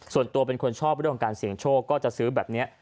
ส่วนตัวเป็นคนชอบเรื่องของการเสี่ยงโชคก็จะซื้อแบบนี้